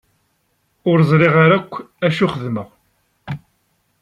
Ur ẓriɣ ara akk acu xedmeɣ.